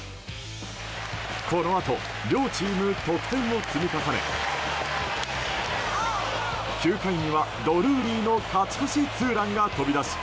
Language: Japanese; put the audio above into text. このあと両チーム得点を積み重ね９回には、ドルーリーの勝ち越しツーランが飛び出し